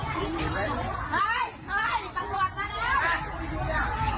ท่านดูเหตุการณ์ก่อนนะครับ